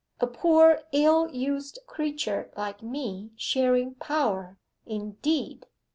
A poor, ill used creature like me sharing power, indeed!